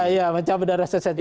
iya mencabut dari asosiasi